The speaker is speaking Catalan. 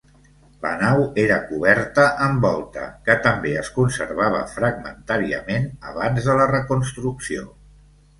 La nau era coberta amb volta, que també es conservava fragmentàriament abans de la reconstrucció.